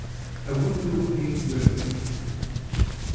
A WINDOW PANE REVERIE.